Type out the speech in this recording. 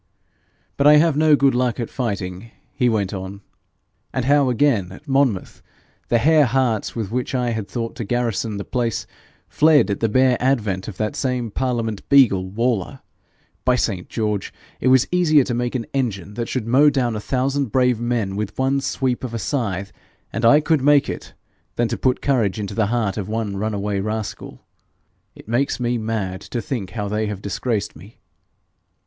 'But I have no good luck at fighting,' he went on. 'And how again at Monmouth, the hare hearts with which I had thought to garrison the place fled at the bare advent of that same parliament beagle, Waller! By St. George! it were easier to make an engine that should mow down a thousand brave men with one sweep of a scythe and I could make it than to put courage into the heart of one runaway rascal. It makes me mad to think how they have disgraced me!'